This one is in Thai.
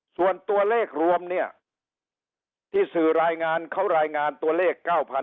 ส่วนตัวเลขรวมเนี่ยที่สื่อรายงานเขารายงานตัวเลข๙๐๐